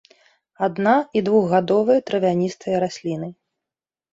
Адна- і двухгадовыя травяністыя расліны.